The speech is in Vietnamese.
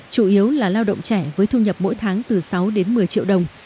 chủ yếu là lao động trẻ với thu nhập mỗi tháng từ sáu đến một mươi triệu đồng